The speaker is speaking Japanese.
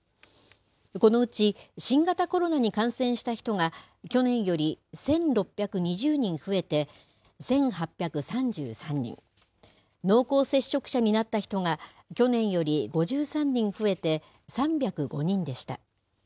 このうち、新型コロナに感染した人が、去年より１６２０人増えて１８３３人、濃厚接触者になった人が、去年より５３人増えて３０５人でした。